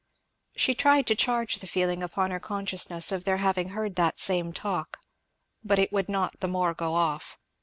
She tried to charge the feeling upon her consciousness of their having heard that same talk, but it would not the more go off.